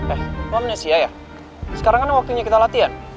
eh lo amnesia ya sekarang kan waktunya kita latihan